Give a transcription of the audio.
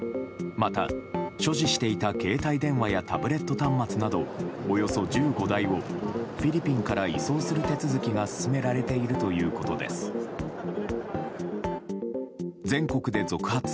また所持していた携帯電話やタブレット端末などおよそ１５台をフィリピンから移送する手続きが進められているということです。